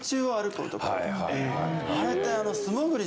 あれって。